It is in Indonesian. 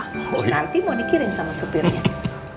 nanti mau dikirim sama supirnya